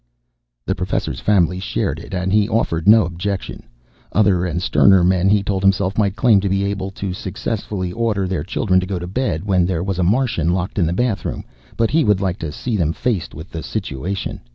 The Professor's family shared it and he offered no objection. Other and sterner men, he told himself, might claim to be able successfully to order their children to go to bed when there was a Martian locked in the bathroom, but he would like to see them faced with the situation.